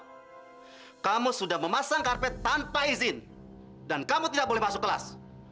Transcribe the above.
karena kamu sudah memasang karpet tanpa izin dan kamu tidak boleh masuk kelas